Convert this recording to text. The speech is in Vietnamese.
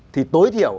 thì tối thiểu